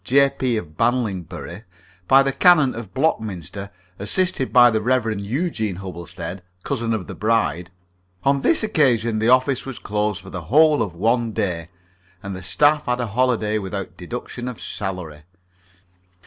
J.P., of Banlingbury, by the Canon of Blockminster, assisted by the Rev. Eugene Hubblestead, cousin of the bride on this occasion the office was closed for the whole of one day, and the staff had a holiday without deduction of salary.